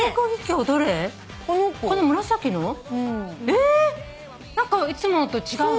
えー何かいつものと違うね。